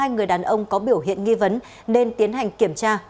hai người đàn ông có biểu hiện nghi vấn nên tiến hành kiểm tra